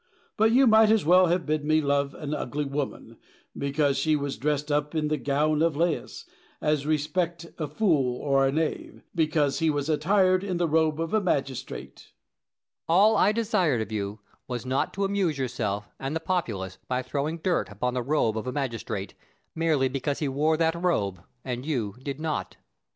But you might as well have bid me love an ugly woman, because she was dressed up in the gown of Lais, as respect a fool or a knave, because he was attired in the robe of a magistrate. Plato. All I desired of you was, not to amuse yourself and the populace by throwing dirt upon the robe of a magistrate, merely because he wore that robe, and you did not. Diogenes.